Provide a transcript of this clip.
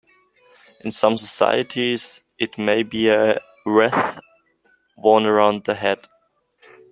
In some societies, it may be a wreath worn around the head.